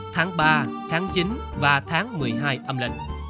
tháng ba tháng chín và tháng một mươi hai âm lịch